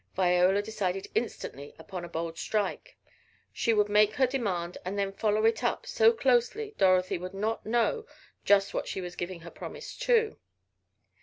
Viola decided instantly upon a bold strike. She would make her demand and then follow it up so closely Dorothy would not know just what she was giving her promise to.